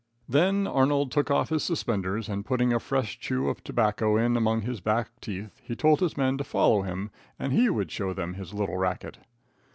Then Arnold took off his suspenders, and, putting a fresh chew of tobacco in among his back teeth, he told his men to follow him and he would show them his little racket.